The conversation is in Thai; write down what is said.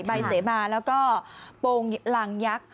ใบเสมาแล้วก็โปรงลางยักษ์